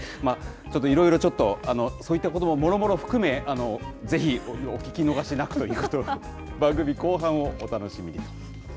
ちょっと、いろいろちょっと、そういったことももろもろ含め、ぜひ、お聞き逃しなくということを、番組後半をお楽しみに。